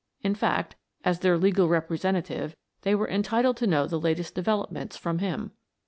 In fact, as their legal representative, they were entitled to know the latest developments from him.